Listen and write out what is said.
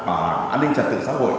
an ninh trật tự xã hội